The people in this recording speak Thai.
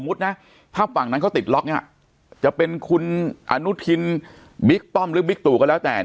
ถ้าฝั่งนั้นเขาติดล็อกเนี่ยจะเป็นคุณอนุทินบิ๊กป้อมหรือบิ๊กตู่ก็แล้วแต่